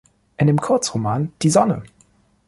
In dem Kurzroman "Die Sonne!